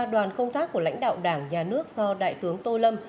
đoàn công tác của lãnh đạo đảng nhà nước do đại tướng tô lâm